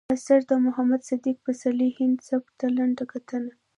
اثار، د محمد صديق پسرلي هندي سبک ته لنډه کتنه